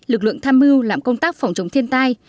lực lượng tham mưu làm công tác phòng chống thiên tai